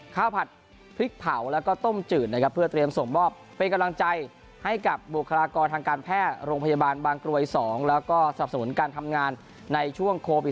ผัดพริกเผาแล้วก็ต้มจืดนะครับเพื่อเตรียมส่งมอบเป็นกำลังใจให้กับบุคลากรทางการแพทย์โรงพยาบาลบางกรวย๒แล้วก็สนับสนุนการทำงานในช่วงโควิด๑